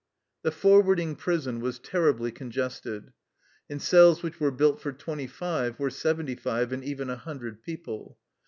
The forwarding prison was terribly congested. In cells which were built for twenty five were seventy five and even a hundred people.